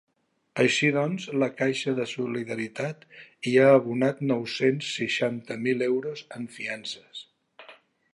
Així doncs, la caixa de solidaritat ja ha abonat nou-cents seixanta mil euros en fiances.